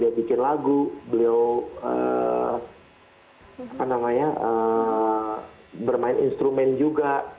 dia bikin lagu beliau apa namanya bermain instrumen juga